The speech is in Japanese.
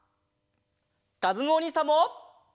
かずむおにいさんも！